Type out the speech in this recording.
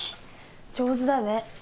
上手だね。